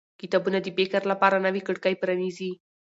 کتابونه د فکر لپاره نوې کړکۍ پرانیزي